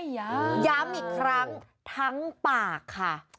ย้ำอีกครั้งทั้งปากค่ะ